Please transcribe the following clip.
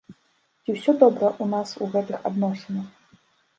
Ці ўсё добра ў нас у гэтых адносінах?